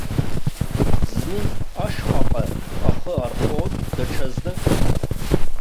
Зны ашьхаҟа ахы архон, даҽазны.